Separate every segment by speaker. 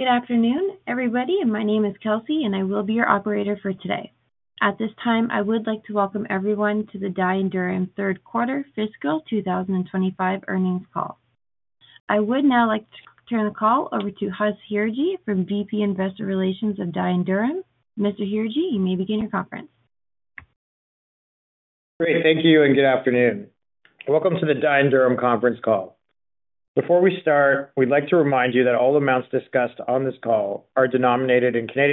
Speaker 1: Good afternoon, everybody. My name is Kelsey, and I will be your operator for today. At this time, I would like to welcome everyone to the Dye & Durham Third Quarter Fiscal 2025 Earnings Call. I would now like to turn the call over to Huss Hirji from VP Investor Relations of Dye & Durham. Mr. Hirji, you may begin your conference.
Speaker 2: Great. Thank you, and good afternoon. Welcome to the Dye & Durham conference call. Before we start, we'd like to remind you that all amounts discussed on this call are denominated in CAD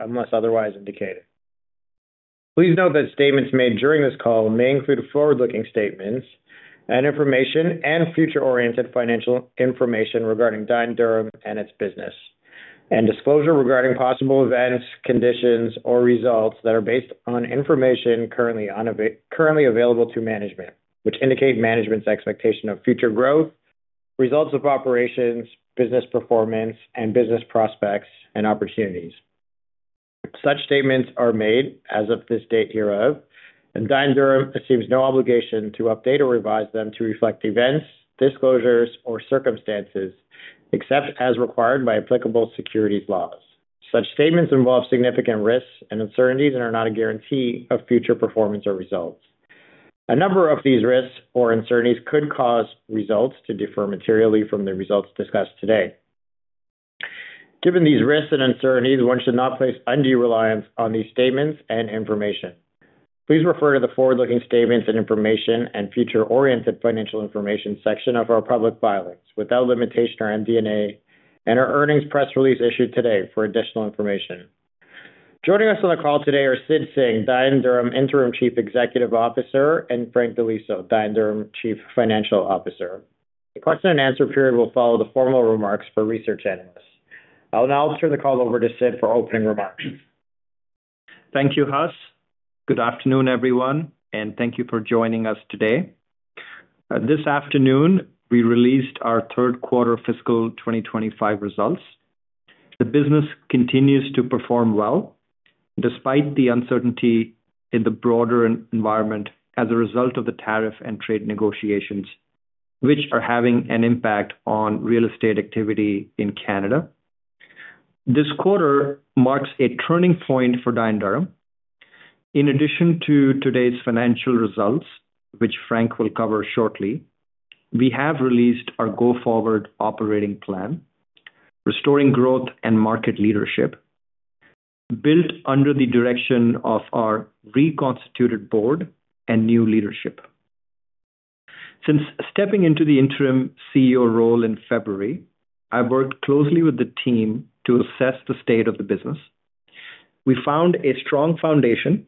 Speaker 2: unless otherwise indicated. Please note that statements made during this call may include forward-looking statements and information and future-oriented financial information regarding Dye & Durham and its business, and disclosure regarding possible events, conditions, or results that are based on information currently available to management, which indicate management's expectation of future growth, results of operations, business performance, and business prospects and opportunities. Such statements are made as of this date hereof, and Dye & Durham assumes no obligation to update or revise them to reflect events, disclosures, or circumstances, except as required by applicable securities laws. Such statements involve significant risks and uncertainties and are not a guarantee of future performance or results. A number of these risks or uncertainties could cause results to differ materially from the results discussed today. Given these risks and uncertainties, one should not place undue reliance on these statements and information. Please refer to the forward-looking statements and information and future-oriented financial information section of our public filings without limitation or MD&A and our earnings press release issued today for additional information. Joining us on the call today are Sid Singh, Dye & Durham Interim Chief Executive Officer, and Frank Di Liso, Dye & Durham Chief Financial Officer. The question and answer period will follow the formal remarks for research analysts. I'll now turn the call over to Sid for opening remarks.
Speaker 3: Thank you, Huss. Good afternoon, everyone, and thank you for joining us today. This afternoon, we released our third quarter fiscal 2025 results. The business continues to perform well despite the uncertainty in the broader environment as a result of the tariff and trade negotiations, which are having an impact on real estate activity in Canada. This quarter marks a turning point for Dye & Durham. In addition to today's financial results, which Frank will cover shortly, we have released our go-forward operating plan, restoring growth and market leadership, built under the direction of our reconstituted board and new leadership. Since stepping into the interim CEO role in February, I've worked closely with the team to assess the state of the business. We found a strong foundation,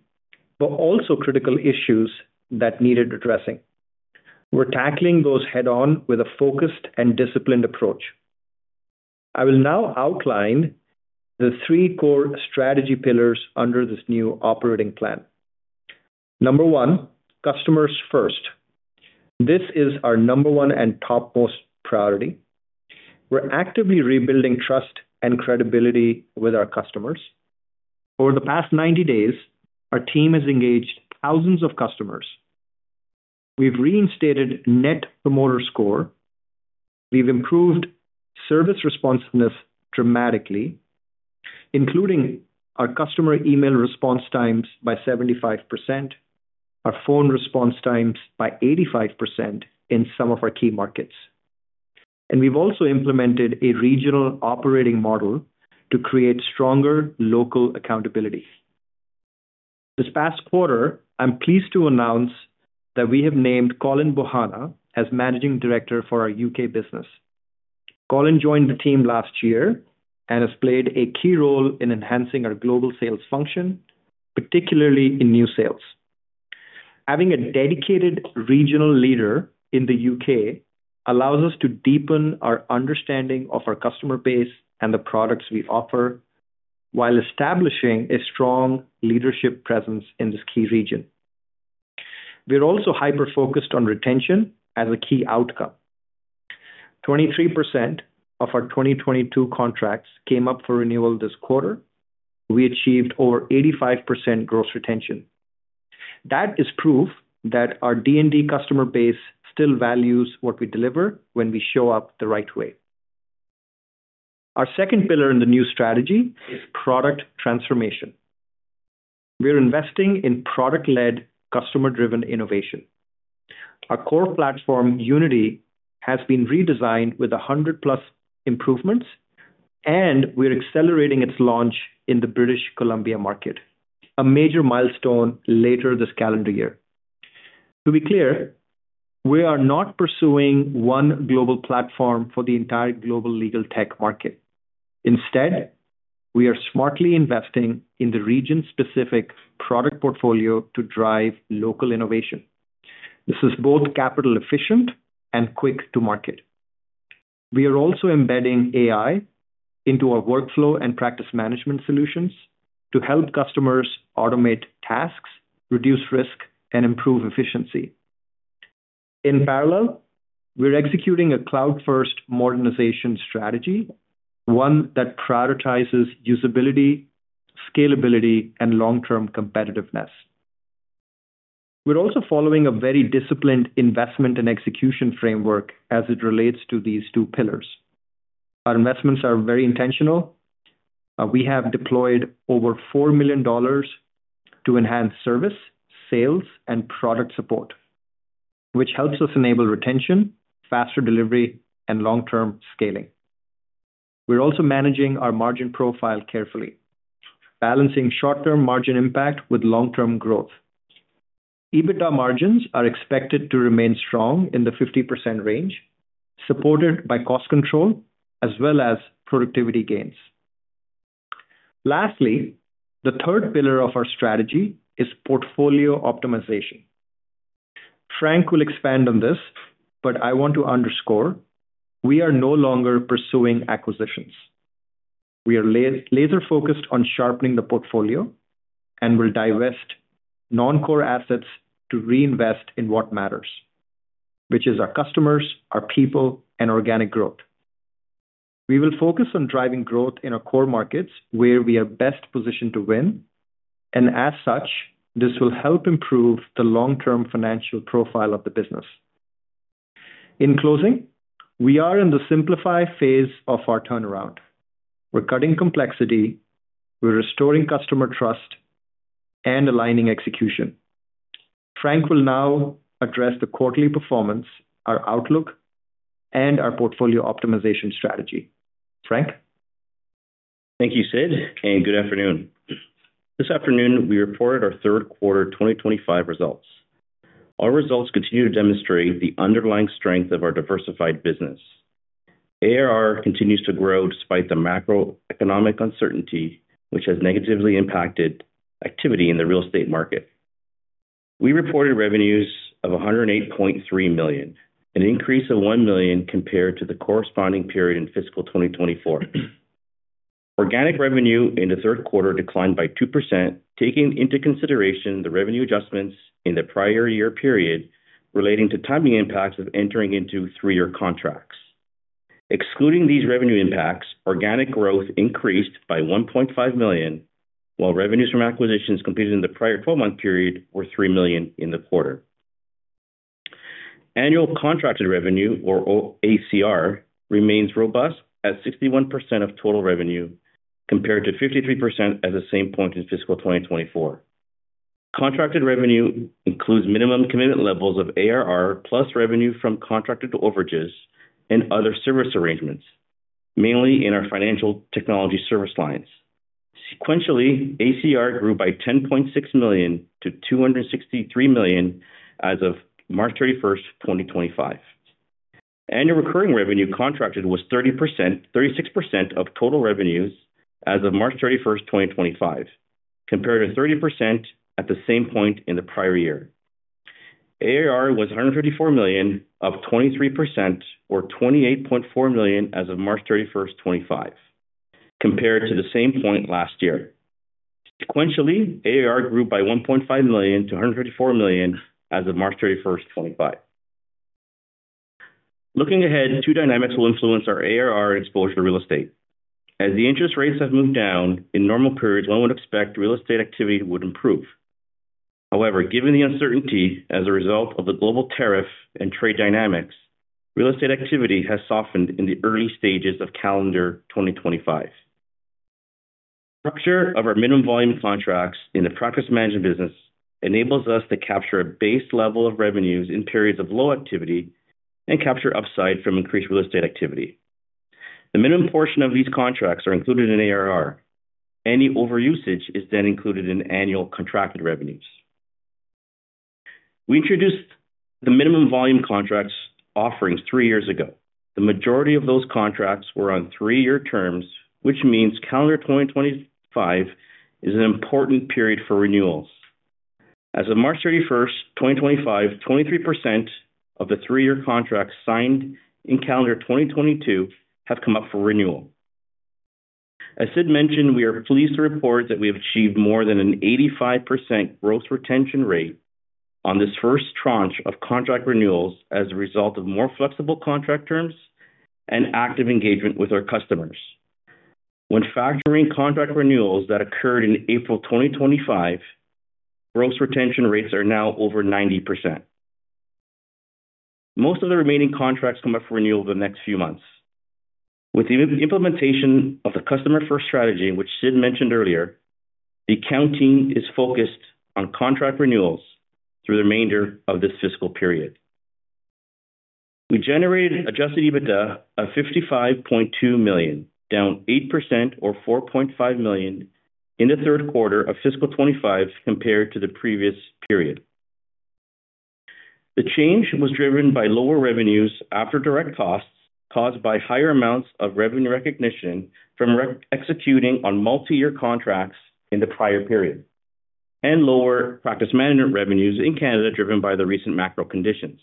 Speaker 3: but also critical issues that needed addressing. We're tackling those head-on with a focused and disciplined approach. I will now outline the three core strategy pillars under this new operating plan. Number one, customers first. This is our number one and topmost priority. We're actively rebuilding trust and credibility with our customers. Over the past 90 days, our team has engaged thousands of customers. We've reinstated Net Promoter Score. We've improved service responsiveness dramatically, including our customer email response times by 75%, our phone response times by 85% in some of our key markets. We've also implemented a regional operating model to create stronger local accountability. This past quarter, I'm pleased to announce that we have named Colin Bohanna as Managing Director for our U.K. business. Colin joined the team last year and has played a key role in enhancing our global sales function, particularly in new sales. Having a dedicated regional leader in the U.K. allows us to deepen our understanding of our customer base and the products we offer, while establishing a strong leadership presence in this key region. We're also hyper-focused on retention as a key outcome. 23% of our 2022 contracts came up for renewal this quarter. We achieved over 85% gross retention. That is proof that our D&D customer base still values what we deliver when we show up the right way. Our second pillar in the new strategy is product transformation. We're investing in product-led, customer-driven innovation. Our core platform, Unity, has been redesigned with 100-plus improvements, and we're accelerating its launch in the British Columbia market, a major milestone later this calendar year. To be clear, we are not pursuing one global platform for the entire global legal tech market. Instead, we are smartly investing in the region-specific product portfolio to drive local innovation. This is both capital-efficient and quick to market. We are also embedding AI into our workflow and practice management solutions to help customers automate tasks, reduce risk, and improve efficiency. In parallel, we're executing a cloud-first modernization strategy, one that prioritizes usability, scalability, and long-term competitiveness. We're also following a very disciplined investment and execution framework as it relates to these two pillars. Our investments are very intentional. We have deployed over 4 million dollars to enhance service, sales, and product support, which helps us enable retention, faster delivery, and long-term scaling. We're also managing our margin profile carefully, balancing short-term margin impact with long-term growth. EBITDA margins are expected to remain strong in the 50% range, supported by cost control as well as productivity gains. Lastly, the third pillar of our strategy is portfolio optimization. Frank will expand on this, but I want to underscore we are no longer pursuing acquisitions. We are laser-focused on sharpening the portfolio and will divest non-core assets to reinvest in what matters, which is our customers, our people, and organic growth. We will focus on driving growth in our core markets where we are best positioned to win, and as such, this will help improve the long-term financial profile of the business. In closing, we are in the simplify phase of our turnaround. We're cutting complexity, we're restoring customer trust, and aligning execution. Frank will now address the quarterly performance, our outlook, and our portfolio optimization strategy. Frank?
Speaker 4: Thank you, Sid, and good afternoon. This afternoon, we report our third quarter 2025 results. Our results continue to demonstrate the underlying strength of our diversified business. ARR continues to grow despite the macroeconomic uncertainty, which has negatively impacted activity in the real estate market. We reported revenues of 108.3 million, an increase of 1 million compared to the corresponding period in fiscal 2024. Organic revenue in the third quarter declined by 2%, taking into consideration the revenue adjustments in the prior year period relating to timing impacts of entering into three-year contracts. Excluding these revenue impacts, organic growth increased by 1.5 million, while revenues from acquisitions completed in the prior 12-month period were 3 million in the quarter. Annual contracted revenue, or ACR, remains robust at 61% of total revenue compared to 53% at the same point in fiscal 2024. Contracted revenue includes minimum commitment levels of ARR plus revenue from contracted overages and other service arrangements, mainly in our financial technology service lines. Sequentially, ACR grew by 10.6 million-263 million as of March 31, 2025. Annual recurring revenue contracted was 36% of total revenues as of March 31, 2025, compared to 30% at the same point in the prior year. ARR was 154 million or 23%, or 28.4 million as of March 31, 2025, compared to the same point last year. Sequentially, ARR grew by 1.5 million-154 million as of March 31, 2025. Looking ahead, two dynamics will influence our ARR exposure to real estate. As the interest rates have moved down in normal periods, one would expect real estate activity would improve. However, given the uncertainty as a result of the global tariff and trade dynamics, real estate activity has softened in the early stages of calendar 2025. The structure of our minimum volume contracts in the practice management business enables us to capture a base level of revenues in periods of low activity and capture upside from increased real estate activity. The minimum portion of these contracts are included in ARR. Any overusage is then included in annual contracted revenues. We introduced the minimum volume contracts offerings three years ago. The majority of those contracts were on three-year terms, which means calendar 2025 is an important period for renewals. As of March 31, 2025, 23% of the three-year contracts signed in calendar 2022 have come up for renewal. As Sid mentioned, we are pleased to report that we have achieved more than an 85% gross retention rate on this first tranche of contract renewals as a result of more flexible contract terms and active engagement with our customers. When factoring contract renewals that occurred in April 2025, gross retention rates are now over 90%. Most of the remaining contracts come up for renewal the next few months. With the implementation of the customer-first strategy, which Sid mentioned earlier, the account team is focused on contract renewals through the remainder of this fiscal period. We generated adjusted EBITDA of 55.2 million, down 8%, or 4.5 million in the third quarter of fiscal 2025 compared to the previous period. The change was driven by lower revenues after direct costs caused by higher amounts of revenue recognition from executing on multi-year contracts in the prior period, and lower practice management revenues in Canada driven by the recent macro conditions.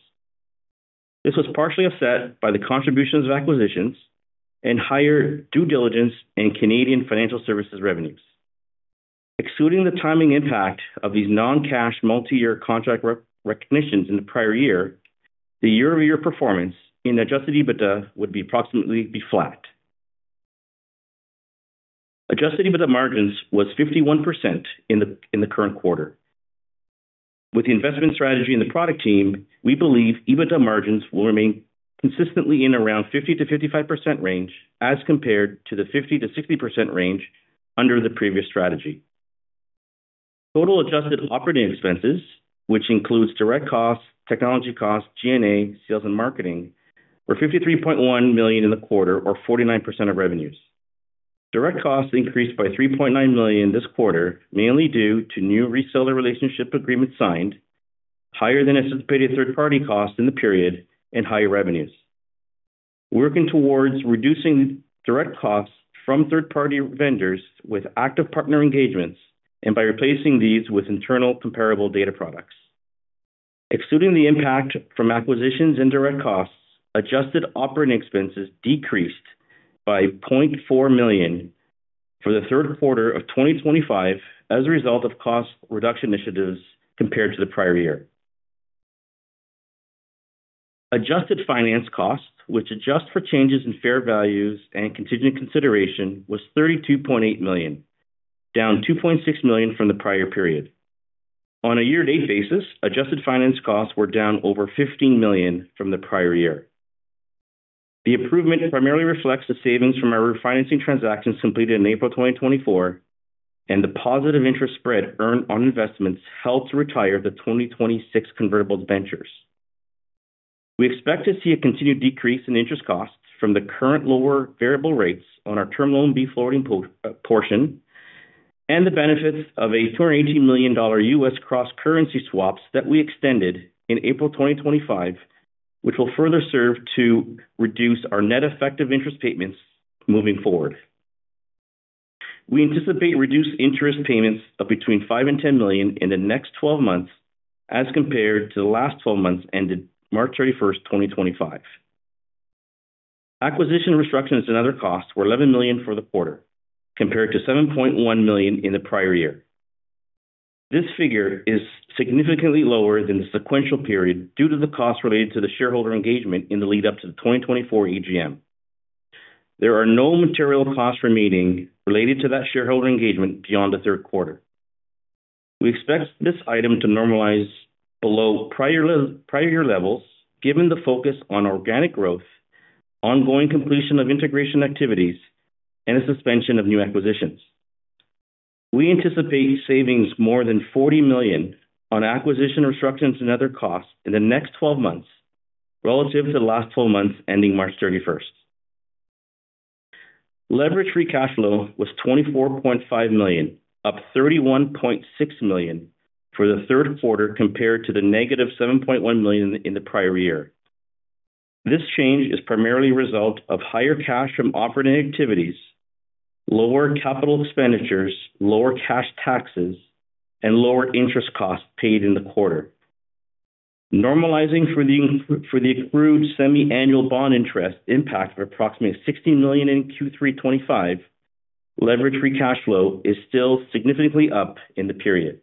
Speaker 4: This was partially offset by the contributions of acquisitions and higher due diligence in Canadian financial services revenues. Excluding the timing impact of these non-cash multi-year contract recognitions in the prior year, the year-over-year performance in adjusted EBITDA would be approximately flat. Adjusted EBITDA margins was 51% in the current quarter. With the investment strategy and the product team, we believe EBITDA margins will remain consistently in around 50%-55% range as compared to the 50%-60% range under the previous strategy. Total adjusted operating expenses, which includes direct costs, technology costs, G&A, sales, and marketing, were 53.1 million in the quarter, or 49% of revenues. Direct costs increased by 3.9 million this quarter, mainly due to new reseller relationship agreements signed, higher than anticipated third-party costs in the period, and higher revenues. We're working towards reducing direct costs from third-party vendors with active partner engagements and by replacing these with internal comparable data products. Excluding the impact from acquisitions and direct costs, adjusted operating expenses decreased by 0.4 million for the third quarter of 2025 as a result of cost reduction initiatives compared to the prior year. Adjusted finance costs, which adjust for changes in fair values and contingent consideration, were 32.8 million, down 2.6 million from the prior period. On a year-to-date basis, adjusted finance costs were down over 15 million from the prior year. The improvement primarily reflects the savings from our refinancing transactions completed in April 2024, and the positive interest spread earned on investments helped retire the 2026 convertible debentures. We expect to see a continued decrease in interest costs from the current lower variable rates on our term loan B floating portion and the benefits of a $218 million U.S. cross-currency swaps that we extended in April 2025, which will further serve to reduce our net effective interest payments moving forward. We anticipate reduced interest payments of between $5 million and $10 million in the next 12 months as compared to the last 12 months ended March 31, 2025. Acquisition restrictions and other costs were $11 million for the quarter, compared to $7.1 million in the prior year. This figure is significantly lower than the sequential period due to the costs related to the shareholder engagement in the lead-up to the 2024 EGM. There are no material costs remaining related to that shareholder engagement beyond the third quarter. We expect this item to normalize below prior year levels, given the focus on organic growth, ongoing completion of integration activities, and a suspension of new acquisitions. We anticipate savings more than 40 million on acquisition restrictions and other costs in the next 12 months relative to the last 12 months ending March 31, 2025. Leverage free cash flow was 24.5 million, up 31.6 million for the third quarter compared to the negative 7.1 million in the prior year. This change is primarily a result of higher cash from operating activities, lower capital expenditures, lower cash taxes, and lower interest costs paid in the quarter. Normalizing for the accrued semi-annual bond interest impact of approximately 16 million in Q3 2025, leverage free cash flow is still significantly up in the period.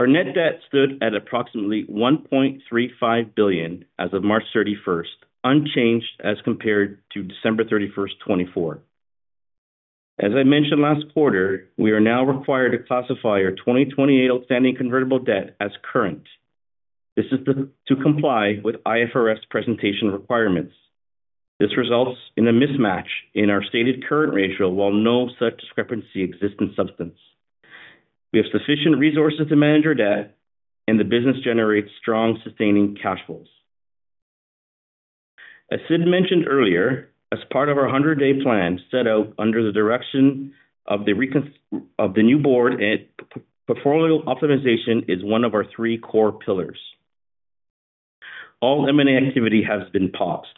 Speaker 4: Our net debt stood at approximately 1.35 billion as of March 31, 2025, unchanged as compared to December 31, 2024. As I mentioned last quarter, we are now required to classify our 2028 outstanding convertible debt as current. This is to comply with IFRS presentation requirements. This results in a mismatch in our stated current ratio while no such discrepancy exists in substance. We have sufficient resources to manage our debt, and the business generates strong sustaining cash flows. As Sid mentioned earlier, as part of our 100-day plan set out under the direction of the new board, portfolio optimization is one of our three core pillars. All M&A activity has been paused.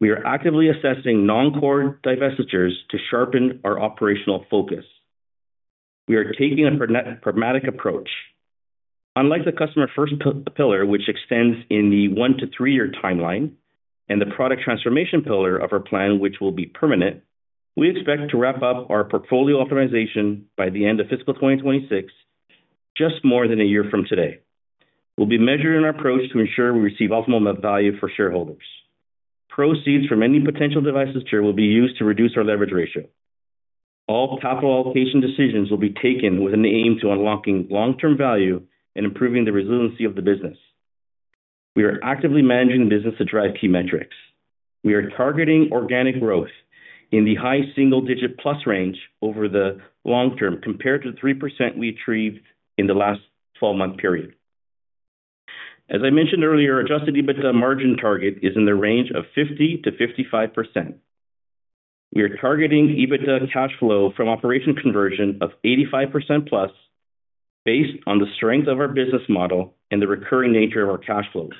Speaker 4: We are actively assessing non-core divestitures to sharpen our operational focus. We are taking a pragmatic approach. Unlike the customer-first pillar, which extends in the one to three-year timeline, and the product transformation pillar of our plan, which will be permanent, we expect to wrap up our portfolio optimization by the end of fiscal 2026, just more than a year from today. We'll be measured in our approach to ensure we receive optimal value for shareholders. Proceeds from any potential divestiture will be used to reduce our leverage ratio. All capital allocation decisions will be taken with an aim to unlocking long-term value and improving the resiliency of the business. We are actively managing the business to drive key metrics. We are targeting organic growth in the high single-digit plus range over the long term compared to the 3% we achieved in the last 12-month period. As I mentioned earlier, adjusted EBITDA margin target is in the range of 50%-55%. We are targeting EBITDA cash flow from operation conversion of 85% plus based on the strength of our business model and the recurring nature of our cash flows.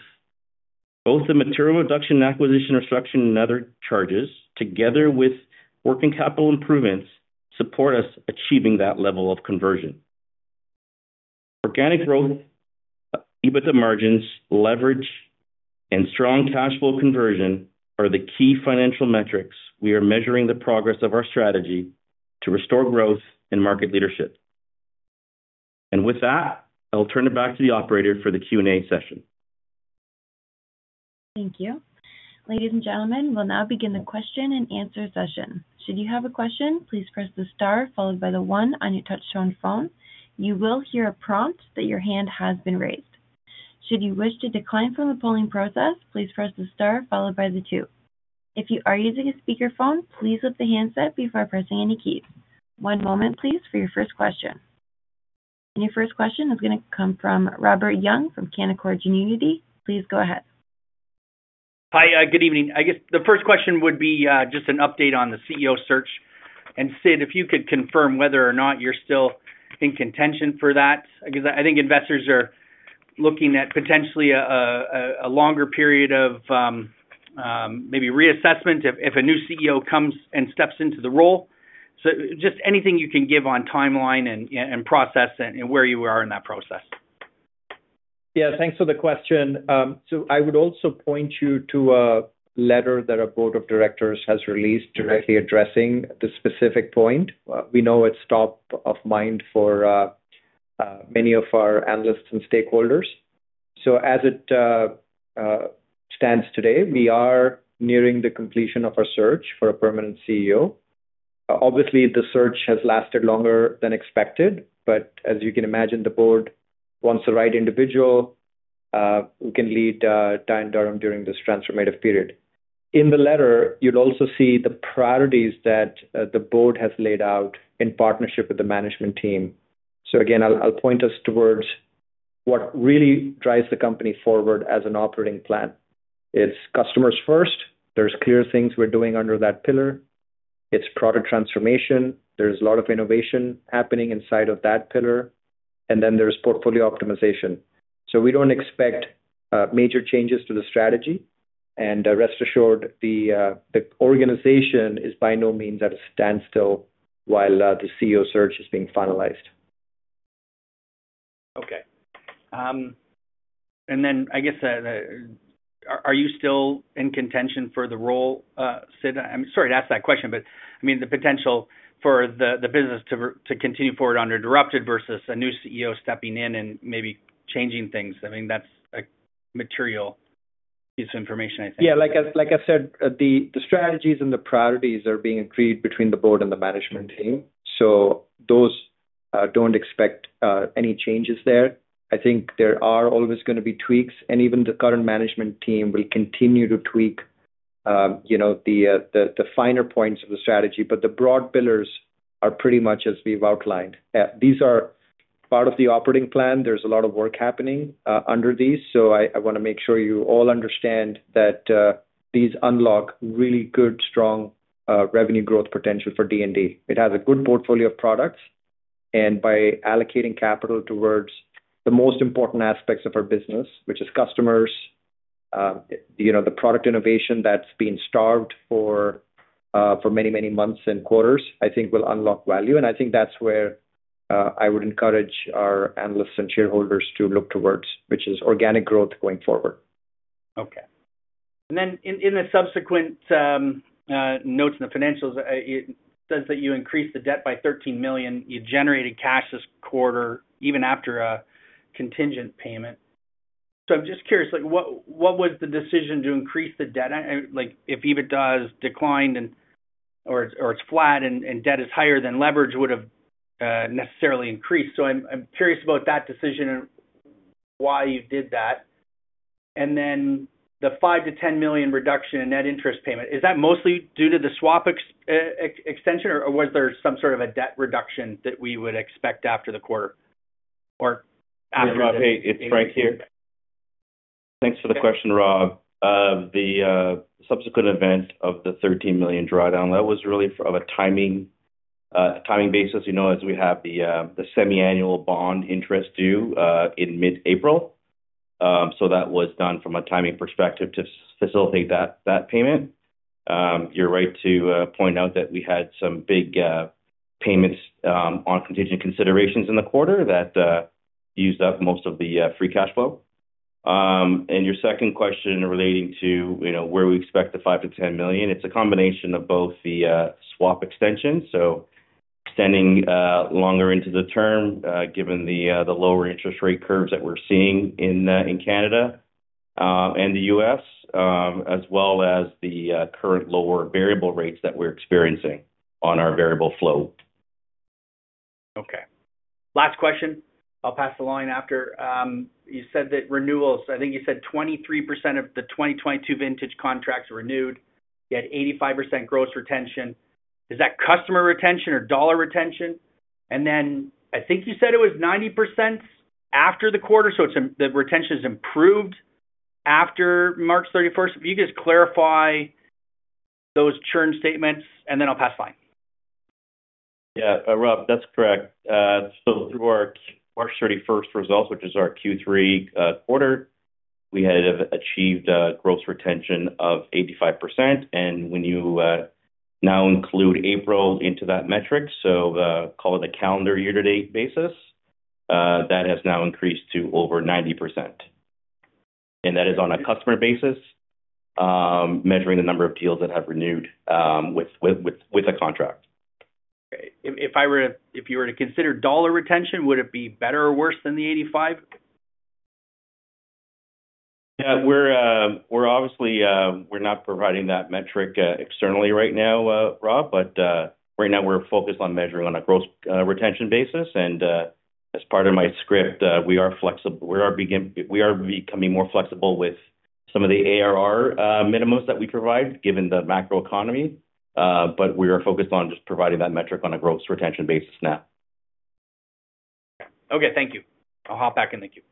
Speaker 4: Both the material reduction in acquisition restriction and other charges, together with working capital improvements, support us achieving that level of conversion. Organic growth, EBITDA margins, leverage, and strong cash flow conversion are the key financial metrics we are measuring the progress of our strategy to restore growth and market leadership. With that, I'll turn it back to the operator for the Q&A session.
Speaker 1: Thank you. Ladies and gentlemen, we'll now begin the question and answer session. Should you have a question, please press the star followed by the one on your touchscreen phone. You will hear a prompt that your hand has been raised. Should you wish to decline from the polling process, please press the star followed by the two. If you are using a speakerphone, please lift the handset before pressing any keys. One moment, please, for your first question. Your first question is going to come from Robert Young from Canaccord Genuity. Please go ahead.
Speaker 5: Hi, good evening. I guess the first question would be just an update on the CEO search. And Sid, if you could confirm whether or not you're still in contention for that, because I think investors are looking at potentially a longer period of maybe reassessment if a new CEO comes and steps into the role. Just anything you can give on timeline and process and where you are in that process.
Speaker 3: Yeah, thanks for the question. I would also point you to a letter that our board of directors has released directly addressing the specific point. We know it's top of mind for many of our analysts and stakeholders. As it stands today, we are nearing the completion of our search for a permanent CEO. Obviously, the search has lasted longer than expected, but as you can imagine, the board wants the right individual who can lead Dye & Durham during this transformative period. In the letter, you'll also see the priorities that the board has laid out in partnership with the management team. I will point us towards what really drives the company forward as an operating plan. It's customers first. There are clear things we're doing under that pillar. It's product transformation. There is a lot of innovation happening inside of that pillar. Then there is portfolio optimization. We don't expect major changes to the strategy. Rest assured, the organization is by no means at a standstill while the CEO search is being finalized.
Speaker 5: Okay. I guess, are you still in contention for the role, Sid? I'm sorry to ask that question, but I mean, the potential for the business to continue forward under Directed versus a new CEO stepping in and maybe changing things. I mean, that's a material piece of information, I think.
Speaker 3: Yeah, like I said, the strategies and the priorities are being agreed between the board and the management team. Do not expect any changes there. I think there are always going to be tweaks, and even the current management team will continue to tweak the finer points of the strategy. The broad pillars are pretty much as we've outlined. These are part of the operating plan. There's a lot of work happening under these. I want to make sure you all understand that these unlock really good, strong revenue growth potential for D&D. It has a good portfolio of products. By allocating capital towards the most important aspects of our business, which is customers, the product innovation that's been starved for many, many months and quarters, I think will unlock value. I think that's where I would encourage our analysts and shareholders to look towards, which is organic growth going forward.
Speaker 5: Okay. In the subsequent notes in the financials, it says that you increased the debt by 13 million. You generated cash this quarter even after a contingent payment. I'm just curious, what was the decision to increase the debt? If EBITDA has declined or it's flat and debt is higher, then leverage would have necessarily increased. I'm curious about that decision and why you did that. The 5 million-10 million reduction in net interest payment, is that mostly due to the swap extension, or was there some sort of a debt reduction that we would expect after the quarter or after?
Speaker 4: Hey, it's Frank here. Thanks for the question, Rob. The subsequent event of the 13 million drawdown, that was really of a timing basis, as we have the semi-annual bond interest due in mid-April. That was done from a timing perspective to facilitate that payment. You're right to point out that we had some big payments on contingent considerations in the quarter that used up most of the free cash flow. Your second question relating to where we expect the 5 million-10 million, it's a combination of both the swap extension, extending longer into the term given the lower interest rate curves that we're seeing in Canada and the U.S., as well as the current lower variable rates that we're experiencing on our variable flow.
Speaker 5: Okay. Last question. I'll pass the line after. You said that renewals, I think you said 23% of the 2022 vintage contracts renewed. You had 85% gross retention. Is that customer retention or dollar retention? I think you said it was 90% after the quarter, so the retention has improved after March 31. If you could just clarify those churn statements, and then I'll pass the line.
Speaker 4: Yeah, Rob, that's correct. Through our March 31 results, which is our Q3 quarter, we had achieved gross retention of 85%. When you now include April into that metric, call it a calendar year-to-date basis, that has now increased to over 90%. That is on a customer basis, measuring the number of deals that have renewed with a contract.
Speaker 5: Okay. If you were to consider dollar retention, would it be better or worse than the 85%?
Speaker 4: Yeah, obviously, we're not providing that metric externally right now, Rob, but right now we're focused on measuring on a gross retention basis. As part of my script, we are becoming more flexible with some of the ARR minimums that we provide given the macroeconomy. We are focused on just providing that metric on a gross retention basis now.
Speaker 5: Okay. Okay, thank you. I'll hop back in the queue.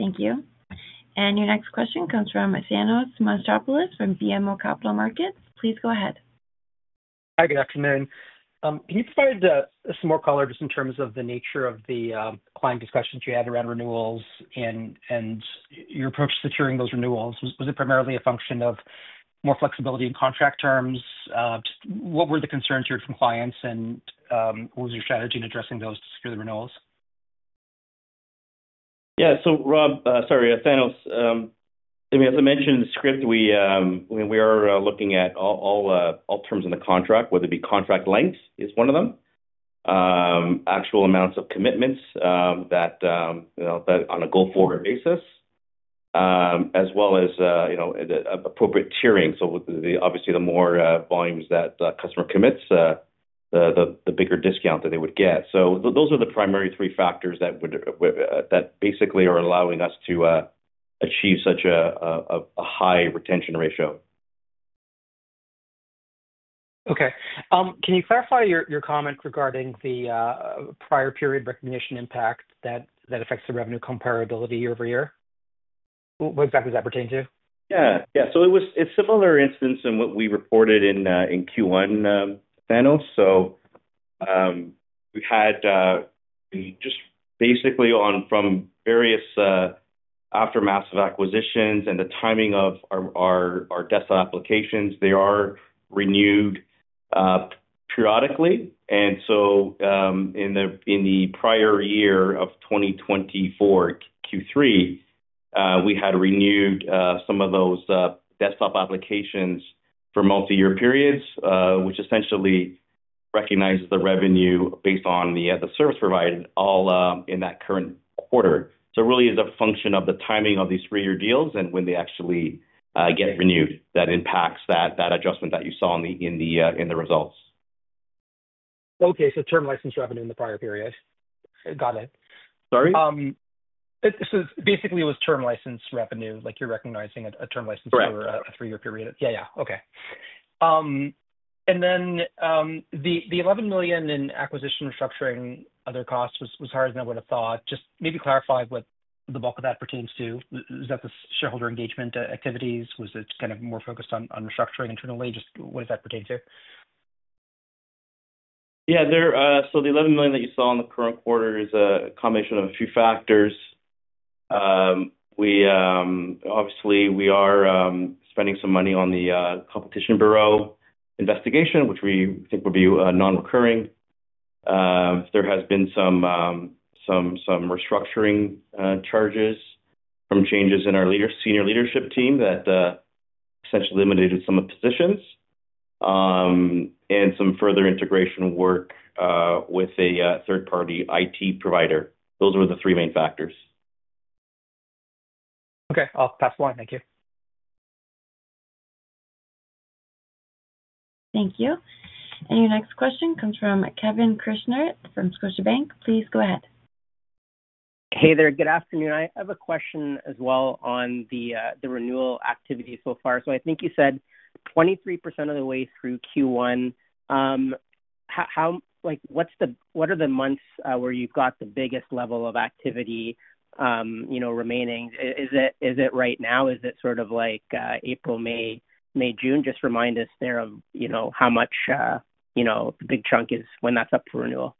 Speaker 1: Thank you. Your next question comes from Thanos Moshopolous from BMO Capital Markets. Please go ahead.
Speaker 6: Hi, good afternoon. Can you provide some more color just in terms of the nature of the client discussions you had around renewals and your approach to securing those renewals? Was it primarily a function of more flexibility in contract terms? What were the concerns you heard from clients, and what was your strategy in addressing those to secure the renewals?
Speaker 4: Yeah. Rob, sorry, Thanos. I mean, as I mentioned in the script, we are looking at all terms in the contract, whether it be contract length is one of them, actual amounts of commitments that on a go-forward basis, as well as appropriate tiering. Obviously, the more volumes that the customer commits, the bigger discount that they would get. Those are the primary three factors that basically are allowing us to achieve such a high retention ratio.
Speaker 6: Okay. Can you clarify your comment regarding the prior period recognition impact that affects the revenue comparability year-over-year? What exactly does that pertain to?
Speaker 4: Yeah. Yeah. It's a similar instance in what we reported in Q1, Thanos. We had just basically from various aftermaths of acquisitions and the timing of our desktop applications, they are renewed periodically. In the prior year of 2024, Q3, we had renewed some of those desktop applications for multi-year periods, which essentially recognizes the revenue based on the service provided all in that current quarter. It really is a function of the timing of these three-year deals and when they actually get renewed that impacts that adjustment that you saw in the results.
Speaker 6: Okay. So term license revenue in the prior period. Got it.
Speaker 4: Sorry?
Speaker 6: Basically, it was term license revenue, like you're recognizing a term license for a three-year period.
Speaker 4: Correct.
Speaker 6: Yeah, yeah. Okay. The 11 million in acquisition restructuring other costs was higher than I would have thought. Just maybe clarify what the bulk of that pertains to. Is that the shareholder engagement activities? Was it kind of more focused on restructuring internally? Just what does that pertain to?
Speaker 4: Yeah. The 11 million that you saw in the current quarter is a combination of a few factors. Obviously, we are spending some money on the Competition Bureau Investigation, which we think would be non-recurring. There have been some restructuring charges from changes in our senior leadership team that essentially eliminated some of the positions and some further integration work with a third-party IT provider. Those were the three main factors.
Speaker 6: Okay. I'll pass the line. Thank you.
Speaker 1: Thank you. Your next question comes from Kevin Krishnaratne from Scotiabank. Please go ahead.
Speaker 7: Hey there. Good afternoon. I have a question as well on the renewal activity so far. I think you said 23% of the way through Q1. What are the months where you've got the biggest level of activity remaining? Is it right now? Is it sort of like April, May, June, just remind us there of how much the big chunk is when that's up for renewal?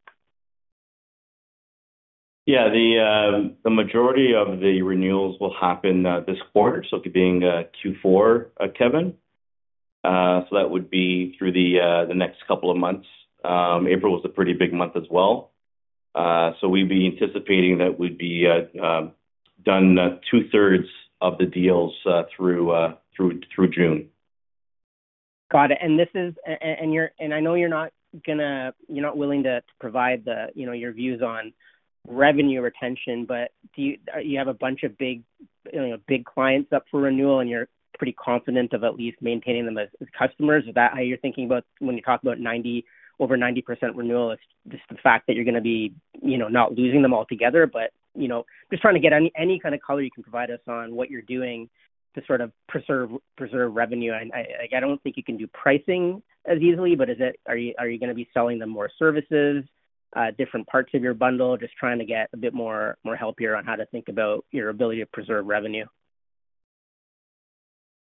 Speaker 4: Yeah. The majority of the renewals will happen this quarter, so it'll be in Q4, Kevin. That would be through the next couple of months. April was a pretty big month as well. We would be anticipating that we'd be done two-thirds of the deals through June.
Speaker 7: Got it. I know you're not going to, you're not willing to provide your views on revenue retention, but you have a bunch of big clients up for renewal, and you're pretty confident of at least maintaining them as customers. Is that how you're thinking about when you talk about over 90% renewal? It's just the fact that you're going to be not losing them altogether, but just trying to get any kind of color you can provide us on what you're doing to sort of preserve revenue. I don't think you can do pricing as easily, but are you going to be selling them more services, different parts of your bundle, just trying to get a bit more help here on how to think about your ability to preserve revenue?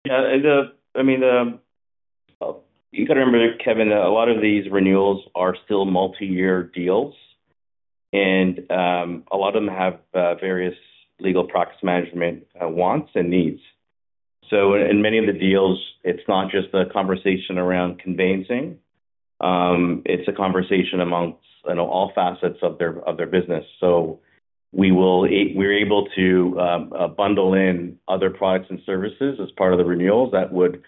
Speaker 4: Yeah. I mean, you got to remember, Kevin, a lot of these renewals are still multi-year deals, and a lot of them have various legal practice management wants and needs. In many of the deals, it is not just the conversation around conveyancing. It is a conversation amongst all facets of their business. We are able to bundle in other products and services as part of the renewals that would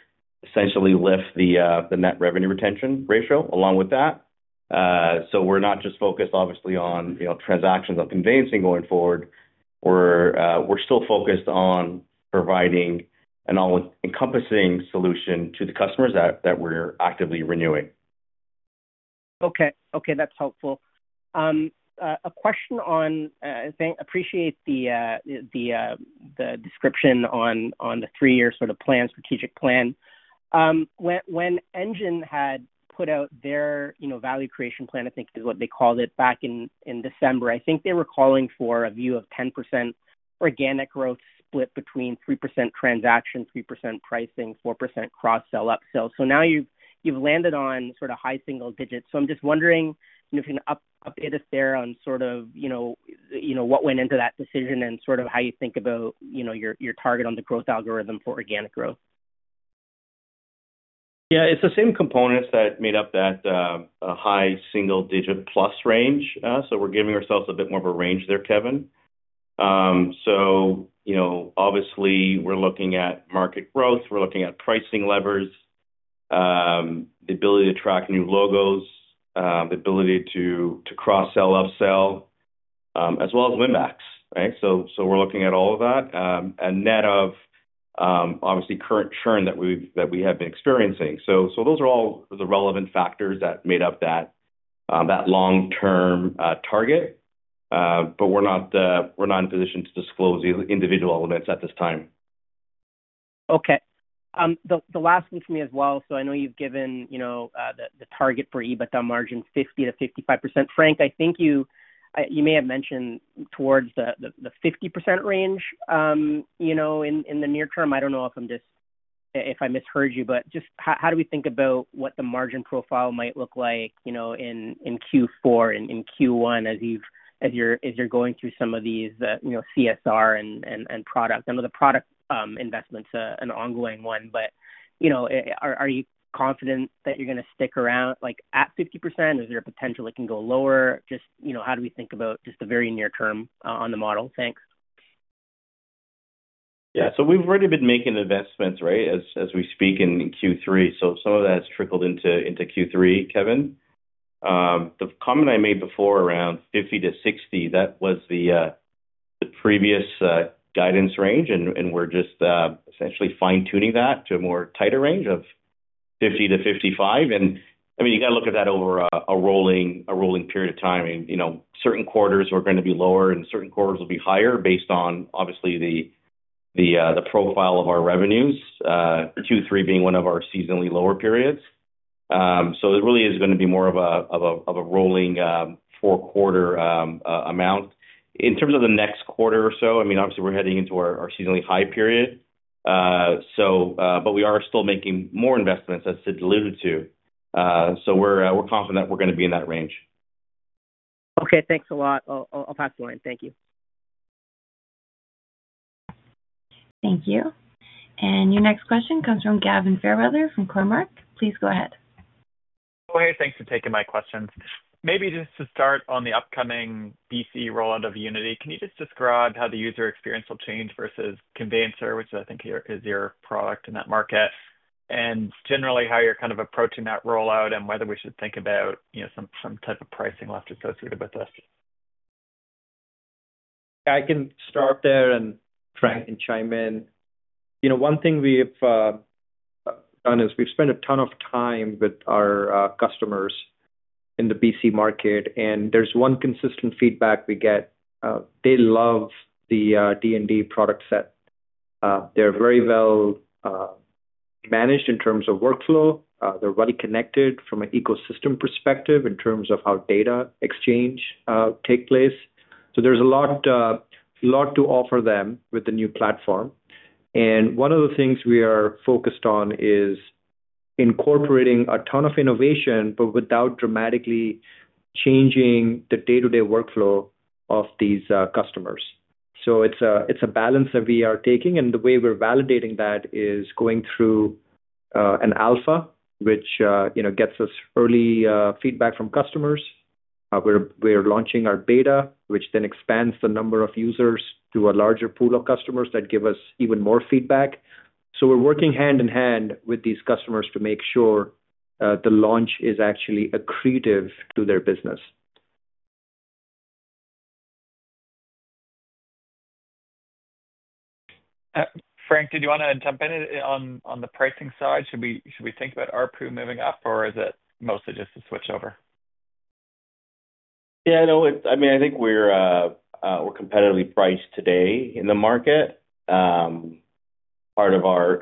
Speaker 4: essentially lift the net revenue retention ratio along with that. We are not just focused, obviously, on transactions of conveyancing going forward. We are still focused on providing an all-encompassing solution to the customers that we are actively renewing.
Speaker 7: Okay. Okay. That's helpful. A question on I appreciate the description on the three-year sort of strategic plan. When Engine had put out their value creation plan, I think is what they called it back in December, I think they were calling for a view of 10% organic growth split between 3% transaction, 3% pricing, 4% cross-sell upsell. Now you've landed on sort of high single digits. I'm just wondering if you can update us there on what went into that decision and how you think about your target on the growth algorithm for organic growth.
Speaker 4: Yeah. It is the same components that made up that high single-digit plus range. We are giving ourselves a bit more of a range there, Kevin. Obviously, we are looking at market growth. We are looking at pricing levers, the ability to track new logos, the ability to cross-sell upsell, as well as win-backs. Right? We are looking at all of that and net of, obviously, current churn that we have been experiencing. Those are all the relevant factors that made up that long-term target. We are not in a position to disclose individual elements at this time.
Speaker 7: Okay. The last one for me as well. I know you've given the target for EBITDA margin 50-55%. Frank, I think you may have mentioned towards the 50% range in the near term. I do not know if I misheard you, but just how do we think about what the margin profile might look like in Q4 and in Q1 as you're going through some of these CSR and product? I know the product investment's an ongoing one, but are you confident that you're going to stick around at 50%? Is there a potential it can go lower? Just how do we think about just the very near term on the model? Thanks.
Speaker 4: Yeah. So we've already been making investments, right, as we speak in Q3. Some of that has trickled into Q3, Kevin. The comment I made before around 50-60, that was the previous guidance range, and we're just essentially fine-tuning that to a more tighter range of 50-55. I mean, you got to look at that over a rolling period of time. Certain quarters are going to be lower, and certain quarters will be higher based on, obviously, the profile of our revenues, Q3 being one of our seasonally lower periods. It really is going to be more of a rolling four-quarter amount. In terms of the next quarter or so, I mean, obviously, we're heading into our seasonally high period. We are still making more investments, as Sid alluded to. We're confident that we're going to be in that range.
Speaker 7: Okay. Thanks a lot. I'll pass the line. Thank you.
Speaker 1: Thank you. Your next question comes from Gavin Fairweather from Cormark. Please go ahead.
Speaker 8: Hey, thanks for taking my question. Maybe just to start on the upcoming BC rollout of Unity, can you just describe how the user experience will change versus Conveyancer, which I think is your product in that market, and generally how you're kind of approaching that rollout and whether we should think about some type of pricing lift associated with this?
Speaker 4: Yeah. I can start there and try and chime in. One thing we've done is we've spent a ton of time with our customers in the BC market, and there's one consistent feedback we get. They love the D&D product set. They're very well managed in terms of workflow. They're well connected from an ecosystem perspective in terms of how data exchange takes place. There is a lot to offer them with the new platform. One of the things we are focused on is incorporating a ton of innovation, but without dramatically changing the day-to-day workflow of these customers. It is a balance that we are taking. The way we're validating that is going through an alpha, which gets us early feedback from customers. We're launching our beta, which then expands the number of users to a larger pool of customers that give us even more feedback. We're working hand in hand with these customers to make sure the launch is actually accretive to their business.
Speaker 8: Frank, did you want to jump in on the pricing side? Should we think about our pool moving up, or is it mostly just a switchover?
Speaker 4: Yeah. I mean, I think we're competitively priced today in the market. Part of our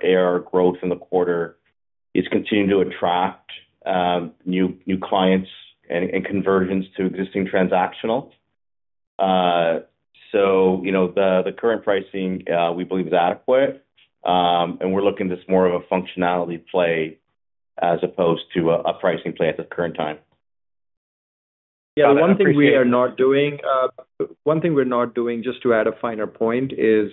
Speaker 4: growth in the quarter is continuing to attract new clients and conversions to existing transactional. The current pricing, we believe, is adequate. We're looking at this more of a functionality play as opposed to a pricing play at the current time.
Speaker 3: Yeah. One thing we are not doing, just to add a finer point, is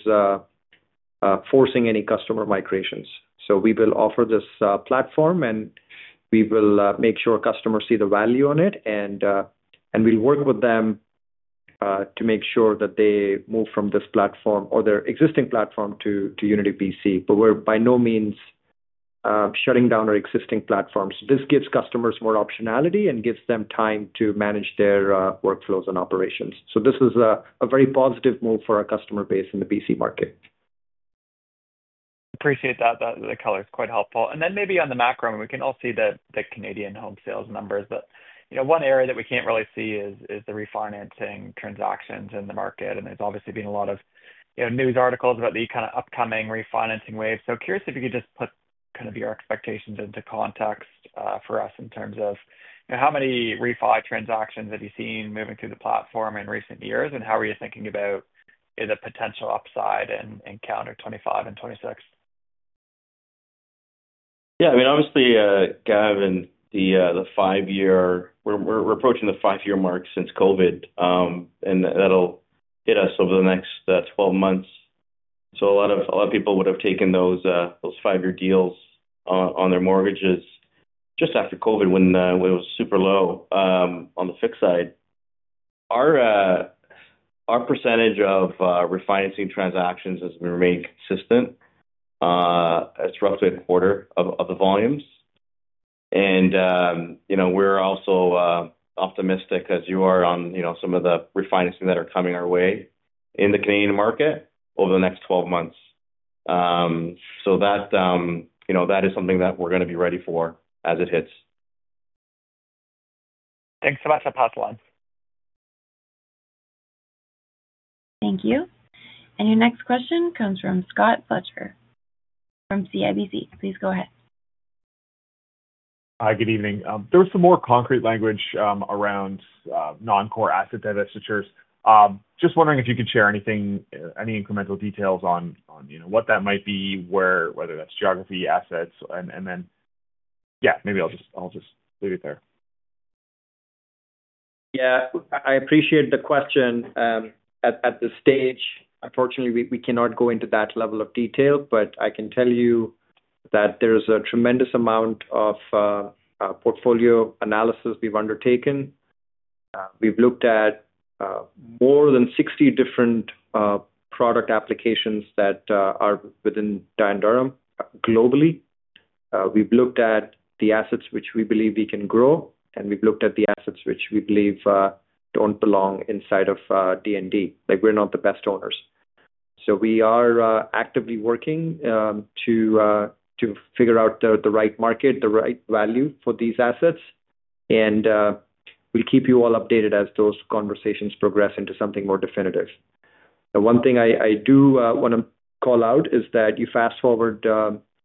Speaker 3: forcing any customer migrations. We will offer this platform, and we will make sure customers see the value on it. We will work with them to make sure that they move from this platform or their existing platform to Unity BC. We are by no means shutting down our existing platforms. This gives customers more optionality and gives them time to manage their workflows and operations. This is a very positive move for our customer base in the BC market.
Speaker 8: I appreciate that. The color is quite helpful. Maybe on the macro, we can all see the Canadian home sales numbers. One area that we cannot really see is the refinancing transactions in the market. There has obviously been a lot of news articles about the kind of upcoming refinancing wave. I am curious if you could just put your expectations into context for us in terms of how many refinance transactions you have seen moving through the platform in recent years, and how you are thinking about the potential upside in calendar 2025 and 2026?
Speaker 4: Yeah. I mean, obviously, Gavin, the five-year, we're approaching the five-year mark since COVID, and that'll hit us over the next 12 months. A lot of people would have taken those five-year deals on their mortgages just after COVID when it was super low on the fixed side. Our percentage of refinancing transactions has remained consistent. It's roughly a quarter of the volumes. We're also optimistic, as you are, on some of the refinancing that are coming our way in the Canadian market over the next 12 months. That is something that we're going to be ready for as it hits.
Speaker 8: Thanks so much. I'll pass the line.
Speaker 1: Thank you. Your next question comes from Scott Fletcher from CIBC. Please go ahead.
Speaker 9: Hi, good evening. There was some more concrete language around non-core asset divestitures. Just wondering if you could share anything, any incremental details on what that might be, whether that's geography, assets, and then yeah, maybe I'll just leave it there.
Speaker 3: Yeah. I appreciate the question. At this stage, unfortunately, we cannot go into that level of detail, but I can tell you that there is a tremendous amount of portfolio analysis we've undertaken. We've looked at more than 60 different product applications that are within D&D globally. We've looked at the assets which we believe we can grow, and we've looked at the assets which we believe don't belong inside of D&D. We're not the best owners. We are actively working to figure out the right market, the right value for these assets. We'll keep you all updated as those conversations progress into something more definitive. One thing I do want to call out is that you fast-forward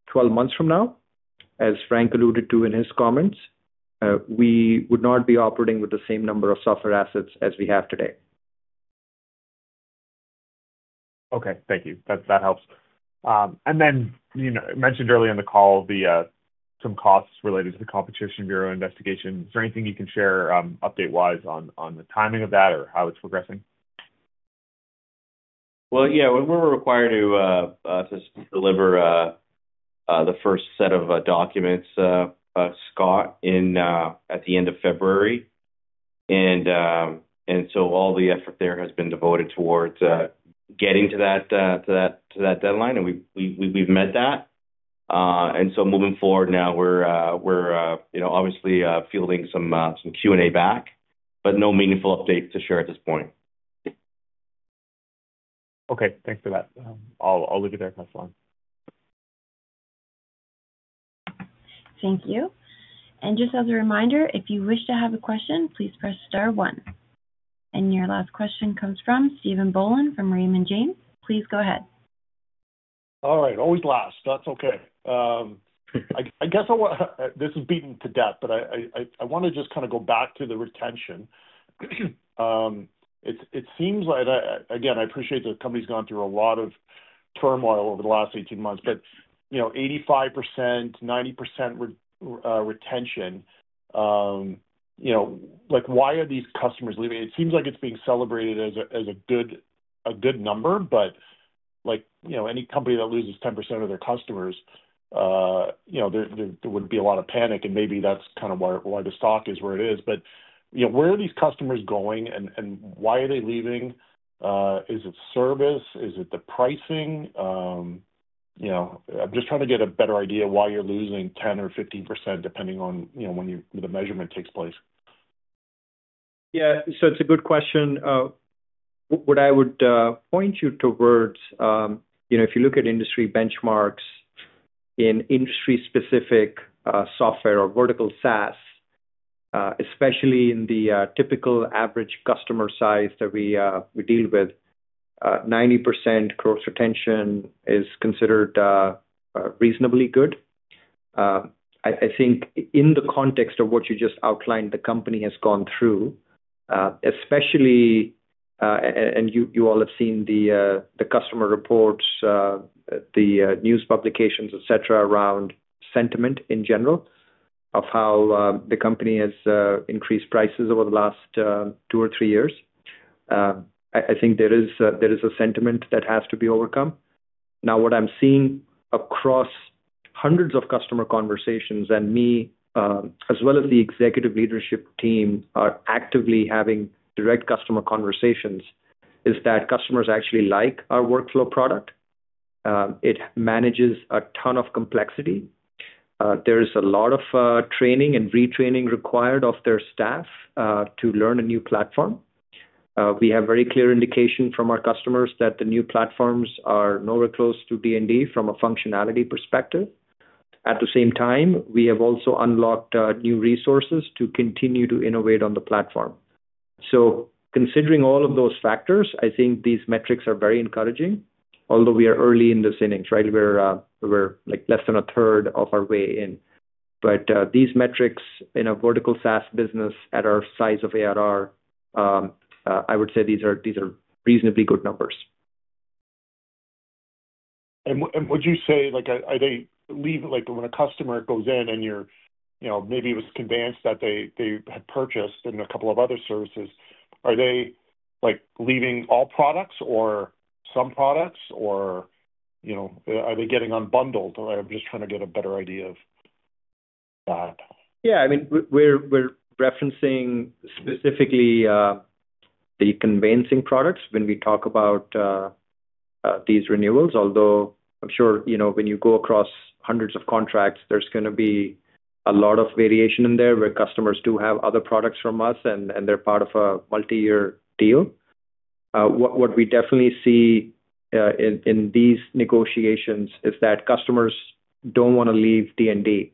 Speaker 3: 12 months from now, as Frank alluded to in his comments, we would not be operating with the same number of software assets as we have today.
Speaker 9: Okay. Thank you. That helps. You mentioned earlier in the call some costs related to the Competition Bureau Investigation. Is there anything you can share update-wise on the timing of that or how it's progressing?
Speaker 4: We were required to deliver the first set of documents at Scott at the end of February. All the effort there has been devoted towards getting to that deadline. We have met that. Moving forward now, we are obviously fielding some Q&A back, but no meaningful updates to share at this point.
Speaker 9: Okay. Thanks for that. I'll leave it there. Pass the line.
Speaker 1: Thank you. Just as a reminder, if you wish to have a question, please press star one. Your last question comes from Stephen Boland from Raymond James. Please go ahead.
Speaker 10: All right. Always last. That's okay. I guess this is beaten to death, but I want to just kind of go back to the retention. It seems like, again, I appreciate the company's gone through a lot of turmoil over the last 18 months, but 85%-90% retention. Why are these customers leaving? It seems like it's being celebrated as a good number, but any company that loses 10% of their customers, there would be a lot of panic. Maybe that's kind of why the stock is where it is. Where are these customers going, and why are they leaving? Is it service? Is it the pricing? I'm just trying to get a better idea why you're losing 10% or 15%, depending on when the measurement takes place.
Speaker 4: Yeah. So it's a good question. What I would point you towards, if you look at industry benchmarks in industry-specific software or vertical SaaS, especially in the typical average customer size that we deal with, 90% gross retention is considered reasonably good. I think in the context of what you just outlined, the company has gone through, especially—you all have seen the customer reports, the news publications, etc., around sentiment in general of how the company has increased prices over the last two or three years. I think there is a sentiment that has to be overcome. Now, what I'm seeing across hundreds of customer conversations, and me, as well as the executive leadership team are actively having direct customer conversations, is that customers actually like our workflow product. It manages a ton of complexity. There is a lot of training and retraining required of their staff to learn a new platform. We have very clear indication from our customers that the new platforms are nowhere close to D&D from a functionality perspective. At the same time, we have also unlocked new resources to continue to innovate on the platform. Considering all of those factors, I think these metrics are very encouraging, although we are early in the innings, right? We are less than a third of our way in. These metrics in a vertical SaaS business at our size of ARR, I would say these are reasonably good numbers.
Speaker 10: Would you say, are they leaving when a customer goes in and maybe it was Conveyancer that they had purchased and a couple of other services, are they leaving all products or some products, or are they getting unbundled? I'm just trying to get a better idea of that.
Speaker 4: Yeah. I mean, we're referencing specifically the conveyancing products when we talk about these renewals, although I'm sure when you go across hundreds of contracts, there's going to be a lot of variation in there where customers do have other products from us, and they're part of a multi-year deal. What we definitely see in these negotiations is that customers don't want to leave D&D.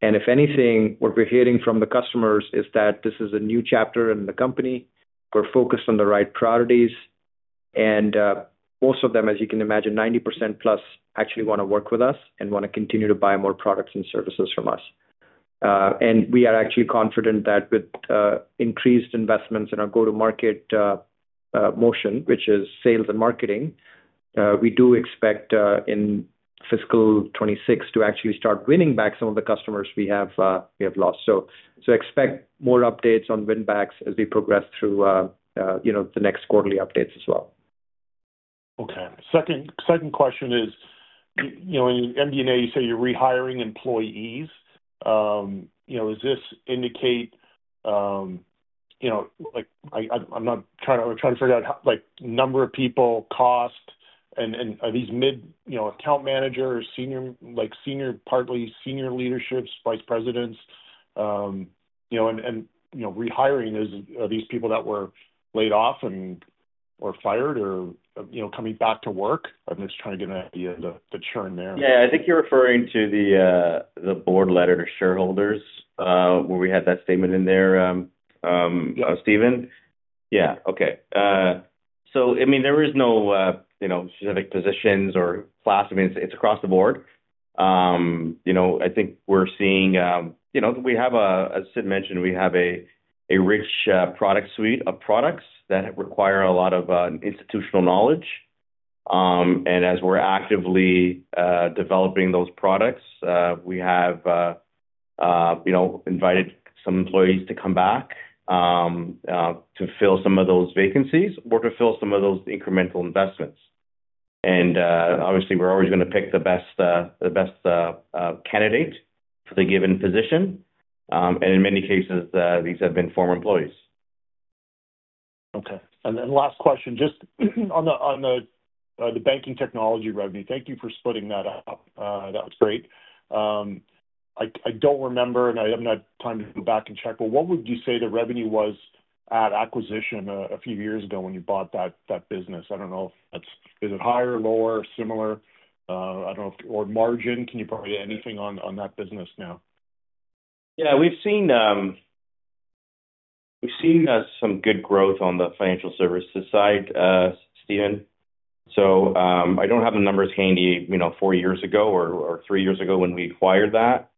Speaker 4: If anything, what we're hearing from the customers is that this is a new chapter in the company. We're focused on the right priorities. Most of them, as you can imagine, 90% plus actually want to work with us and want to continue to buy more products and services from us. We are actually confident that with increased investments in our go-to-market motion, which is sales and marketing, we do expect in fiscal 2026 to actually start winning back some of the customers we have lost. Expect more updates on win-backs as we progress through the next quarterly updates as well.
Speaker 10: Okay. Second question is, in MD&A, you say you're rehiring employees. Does this indicate—I'm not trying to figure out number of people, cost, and are these mid-account managers, partly senior leaderships, vice presidents? And rehiring, are these people that were laid off and were fired or coming back to work? I'm just trying to get an idea of the churn there.
Speaker 4: Yeah. I think you're referring to the board letter to shareholders where we had that statement in there, Stephen. Yeah. Okay. I mean, there is no specific positions or class. I mean, it's across the board. I think we're seeing—we have, as Sid mentioned, we have a rich product suite of products that require a lot of institutional knowledge. As we're actively developing those products, we have invited some employees to come back to fill some of those vacancies or to fill some of those incremental investments. Obviously, we're always going to pick the best candidate for the given position. In many cases, these have been former employees.
Speaker 10: Okay. And then last question, just on the banking technology revenue. Thank you for splitting that up. That was great. I do not remember, and I have no time to go back and check, but what would you say the revenue was at acquisition a few years ago when you bought that business? I do not know if that is—is it higher, lower, similar? I do not know. Or margin? Can you probably get anything on that business now?
Speaker 4: Yeah. We've seen some good growth on the financial services side, Stephen. I don't have the numbers handy four years ago or three years ago when we acquired that.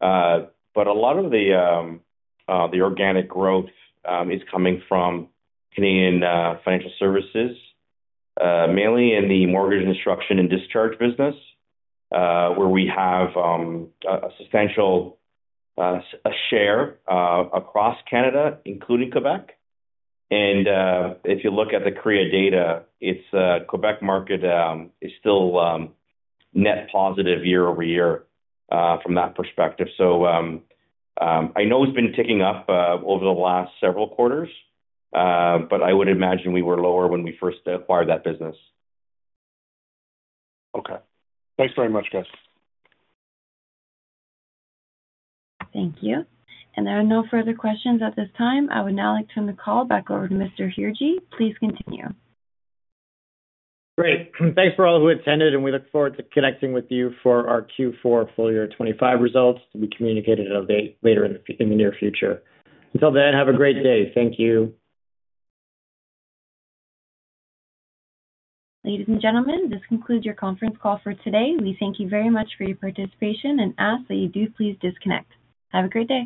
Speaker 4: A lot of the organic growth is coming from Canadian financial services, mainly in the mortgage instruction and discharge business, where we have a substantial share across Canada, including Quebec. If you look at the CREA data, Quebec market is still net positive year-over-year from that perspective. I know it's been ticking up over the last several quarters, but I would imagine we were lower when we first acquired that business.
Speaker 10: Okay. Thanks very much, guys.
Speaker 1: Thank you. There are no further questions at this time. I would now like to turn the call back over to Mr. Hirji. Please continue.
Speaker 2: Great. Thanks for all who attended, and we look forward to connecting with you for our Q4 full year 2025 results to be communicated later in the near future. Until then, have a great day. Thank you.
Speaker 1: Ladies and gentlemen, this concludes your conference call for today. We thank you very much for your participation and ask that you do please disconnect. Have a great day.